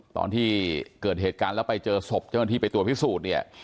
ตอนที่เกิดเหตุการณ์แล้วไปเจอศพเจ้าหน้าที่ไปตรวจพิสูจน์เนี่ย